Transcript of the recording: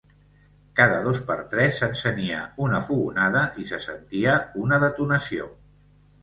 Cada dos per tres s'encenia una fogonada i se sentia una detonació.